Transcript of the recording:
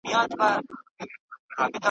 ما سپارلی د هغه مرستي ته ځان دی .